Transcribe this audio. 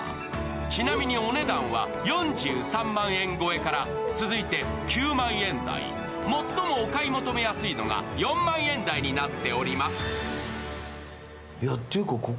ちなみに、お値段は４３万円超えから、続いて９万円台、最もお買い求め安いのが４万円台になっております。